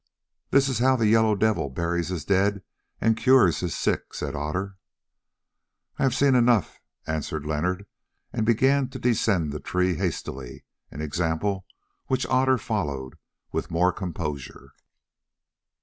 "This is how the Yellow Devil buries his dead and cures his sick," said Otter. "I have seen enough," answered Leonard, and began to descend the tree hastily, an example which Otter followed with more composure.